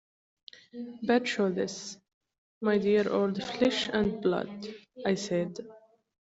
"Bad show this, my dear old flesh and blood," I said.